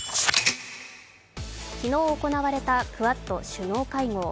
昨日行われたクアッド首脳会合。